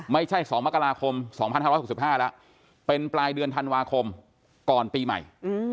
ไม่ใช่๒มกราคม๒๕๖๕แล้วเป็นปลายเดือนธันวาคมก่อนปีใหม่